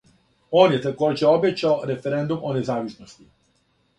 Он је такође обећао референдум о независности.